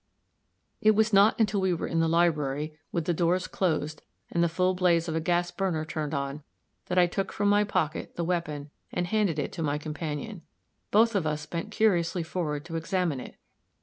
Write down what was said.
It was not until we were in the library, with the doors closed, and the full blaze of a gas burner turned on, that I took from my pocket the weapon, and handed it to my companion. Both of us bent curiously forward to examine it.